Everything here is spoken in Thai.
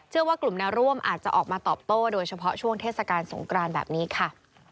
ว่ากลุ่มแนวร่วมอาจจะออกมาตอบโต้โดยเฉพาะช่วงเทศกาลสงกรานแบบนี้ค่ะ